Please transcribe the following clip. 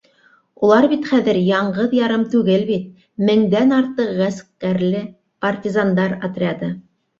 Улар бит хәҙер яңғыҙ-ярым түгел бит, меңдән артыҡ ғәскәрле партизандар отряды.